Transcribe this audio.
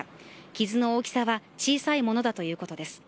傷の大きさは小さいものだということです。